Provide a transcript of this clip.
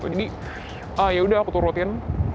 jadi yaudah aku turutin